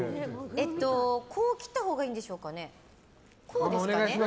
こう切ったほうがいいんでしょうかね。